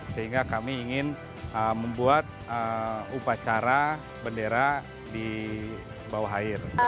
sehingga kami ingin membuat upacara bendera di bawah air